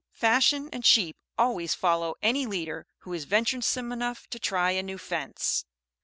Fashion and sheep always follow any leader who is venturesome enough to try a new fence.